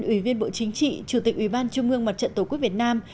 ủy viên bộ chính trị chủ tịch ủy ban trung mương mặt trận tổ quốc việt nam